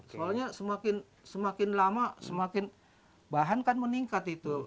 soalnya semakin lama semakin bahan kan meningkat itu